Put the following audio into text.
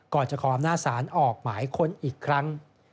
ก่อนจะขออำนาจศาลออกหมายค้นอีกครั้ง